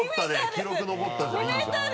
記録残ったじゃんいいじゃん。